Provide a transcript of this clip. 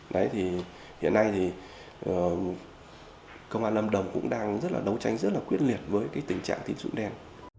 đấy thì hiện nay thì công an lâm đồng cũng đang rất là đấu tranh rất là quyết liệt với cái tình trạng tín dụng đen